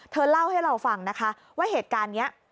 เล่าให้เราฟังนะคะว่าเหตุการณ์นี้